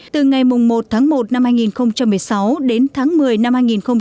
từ ngày một tháng một năm hai nghìn một mươi sáu đến tháng một mươi năm hai nghìn một mươi chín